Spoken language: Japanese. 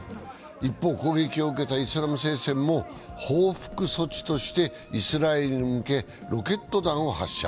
一方、攻撃を受けたイスラム聖戦も報復措置としてイスラエルに向け、ロケット弾を発射。